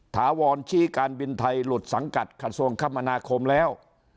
ถาวรชี้การบินไทยหลุดสังกัดกระทรวงคมนาคมแล้ว